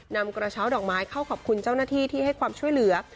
นำกระเช้าดอกไม้เข้าขอบคุณเจ้าหน้าที่ที่ให้ความช่วยเหลือ